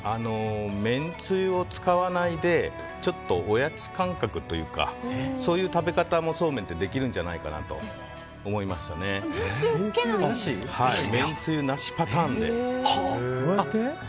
めんつゆを使わないでちょっとおやつ感覚というかそういう食べ方も、そうめんってできるんじゃないかなとめんつゆなしパターンで。